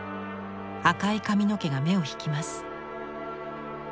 赤い髪の毛が目を引きます。